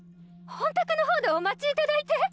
本宅の方でお待ちいただいて！！